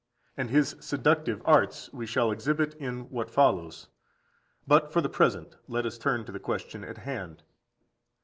And his seductive arts we shall exhibit in what follows. But for the present let us turn to the question in hand.